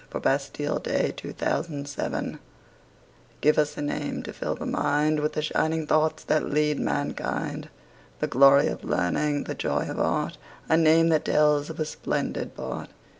THE NAME OF FRANCE Give us a name to fill the mind With the shining thoughts that lead mankind, The glory of learning, the joy of art, A name that tells of a splendid part.